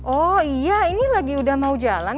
oh iya ini lagi udah mau jalan